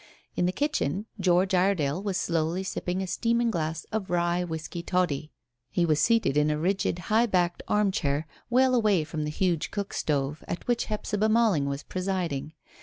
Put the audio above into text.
In the kitchen George Iredale was slowly sipping a steaming glass of rye whisky toddy. He was seated in a rigid, high backed arm chair, well away from the huge cook stove, at which Hephzibah Malling was presiding.